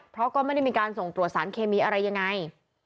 เพราะก็ไม่ได้มีการส่งตรวจสารเคมีอะไรยังไง